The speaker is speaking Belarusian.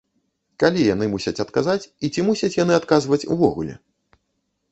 Калі яны мусяць адказаць і ці мусяць яны адказваць увогуле?